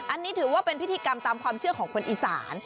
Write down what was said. อันนี้ถือว่าเป็นพิธีกรรมตามความเชื่อของคนอีสาน